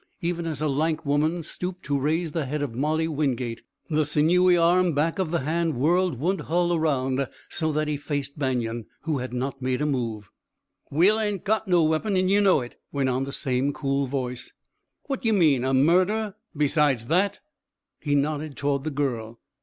Even as a lank woman stooped to raise the head of Molly Wingate the sinewy arm back of the hand whirled Woodhull around so that he faced Banion, who had not made a move. "Will ain't got no weapon, an' ye know it," went on the same cool voice. "What ye mean a murder, besides that?" He nodded toward the girl.